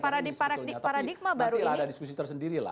tapi nanti ada diskusi tersendiri lah